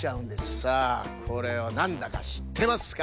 さあこれはなんだかしってますか？